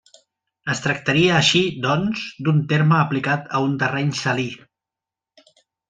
Es tractaria així, doncs, d'un terme aplicat a un terreny salí.